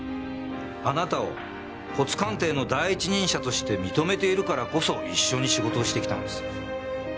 あなたを骨鑑定の第一人者として認めているからこそ一緒に仕事をしてきたんです。